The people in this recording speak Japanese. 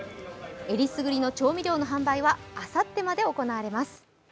えりすぐりの調味料の販売はあさってまで行われます。